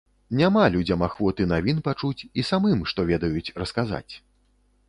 Няма людзям ахвоты навін пачуць і самым, што ведаюць, расказаць.